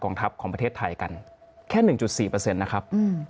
สิ่งที่ประชาชนอยากจะฟัง